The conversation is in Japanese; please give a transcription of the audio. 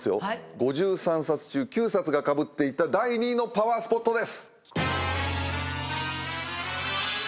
５３冊中９冊がかぶっていた第２位のパワースポットです。